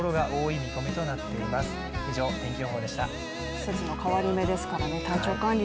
季節の変わり目ですから体調管理